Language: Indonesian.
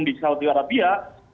di saudi arabia